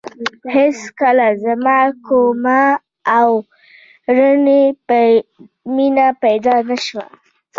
هېڅکله زما کومه اورنۍ مینه پیدا نه شوه.